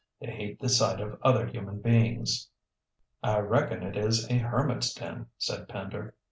They hate the sight of other human beings." "I reckon it is a hermit's den," said Pender.